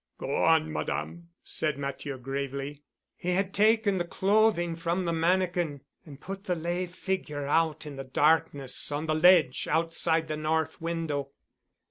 "Go on, Madame," said Matthieu gravely. "He had taken the clothing from the mannikin and put the lay figure out in the darkness on the ledge outside the north window.